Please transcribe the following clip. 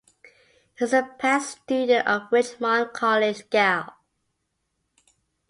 He is a past student of Richmond College, Galle.